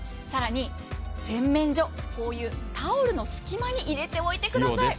更に、洗面所、こういうタオルの隙間に入れておいてください。